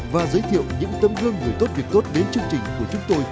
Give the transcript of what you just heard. và giới thiệu những tấm gương người tốt việc tốt đến chương trình của chúng tôi